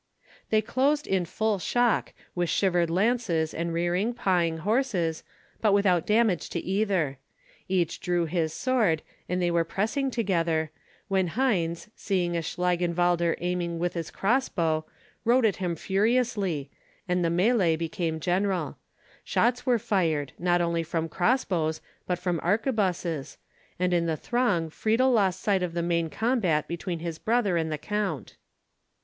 They closed in full shock, with shivered lances and rearing, pawing horses, but without damage to either. Each drew his sword, and they were pressing together, when Heinz, seeing a Schlangenwalder aiming with his cross bow, rode at him furiously, and the mêlée became general; shots were fired, not only from cross bows, but from arquebuses, and in the throng Friedel lost sight of the main combat between his brother and the count.